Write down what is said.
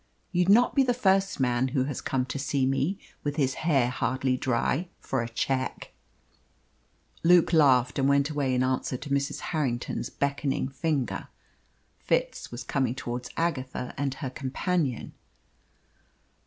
You'd not be the first man who has come to me, with his hair hardly dry, for a cheque." Luke laughed and went away in answer to Mrs. Harrington's beckoning finger. Fitz was coming towards Agatha and her companion.